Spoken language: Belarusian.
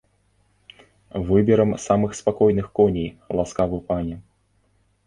Выберам самых спакойных коней, ласкавы пане!